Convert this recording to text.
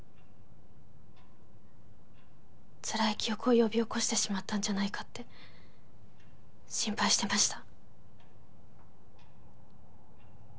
つらい記憶を呼び起こしてしまったんじゃないかって心配してました。